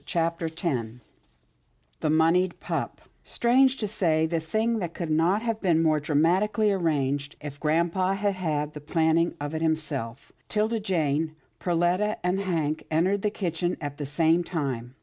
CHAPTER X THE MONEYED PUP Strange to say, the thing could not have been more dramatically arranged if grampa had had the planning of it himself. 'Tilda Jane, Perletta and Hank entered the kitchen at the same time.